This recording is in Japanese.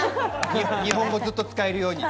日本語をずっと使えるようにって。